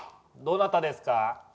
どなたですか？